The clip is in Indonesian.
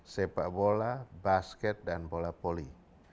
sepak bola basket dan bola poli